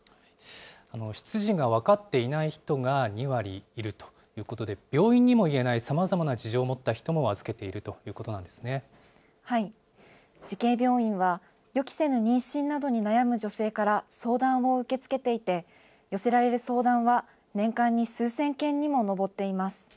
出自が分かっていない人が２割いるということで、病院にも言えないさまざまな事情を持った人も預けているというこ慈恵病院は、予期せぬ妊娠などに悩む女性から相談を受け付けていて、寄せられる相談は、年間に数千件にも上っています。